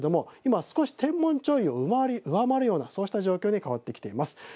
少し天文潮位を上回るような状況になってきています。